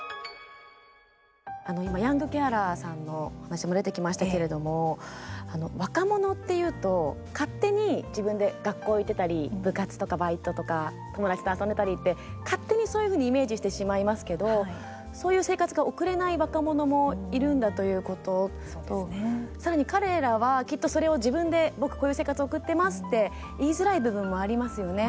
今、ヤングケアラーさんの話も出てきましたけれども若者っていうと、勝手に自分で学校行ってたり部活とかバイトとか友達と遊んでたりって勝手にそういうふうにイメージしてしまいますけどそういう生活が送れない若者もいるんだということとさらに彼らはきっとそれを自分で僕こういう生活送ってますって言いづらい部分もありますよね。